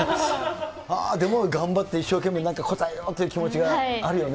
でも、頑張って、一生懸命答えようという気持ちがあるよね。